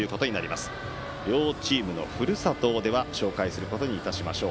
では、両チームのふるさとを紹介することにいたしましょう。